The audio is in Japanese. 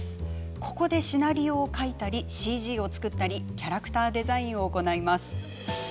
ここでシナリオを書いたりＣＧを作ったりキャラクターデザインを行います。